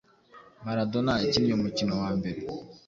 Maradona yakinnye umukino wa mbere